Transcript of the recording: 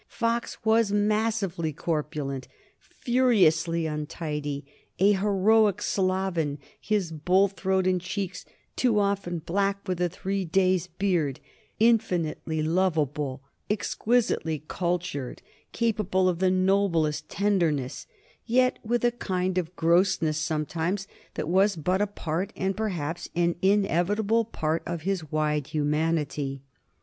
Fox was massively corpulent, furiously untidy, a heroic sloven, his bull throat and cheeks too often black with a three days' beard, infinitely lovable, exquisitely cultured, capable of the noblest tenderness, yet with a kind of grossness sometimes that was but a part, and perhaps an inevitable part, of his wide humanity.